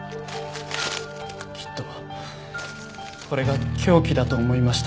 きっとこれが凶器だと思いました。